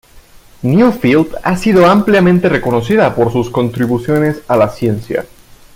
Neufeld ha sido ampliamente reconocida por sus contribuciones a la ciencia.